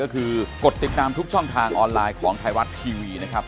ก็คือกดติดตามทุกช่องทางออนไลน์ของไทยรัฐทีวีนะครับ